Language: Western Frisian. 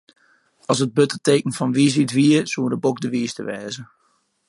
As it burd it teken fan wysheid wie, soe de bok de wiiste wêze.